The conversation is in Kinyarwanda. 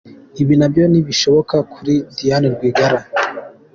Ibi na byo ntibishoboka kuri Diane Rwigara.